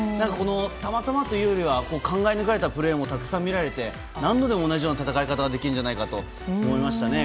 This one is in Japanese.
たまたまというよりは考え抜かれたプレーもたくさん見られて何度でも同じような戦い方ができるんじゃないかと思いましたね。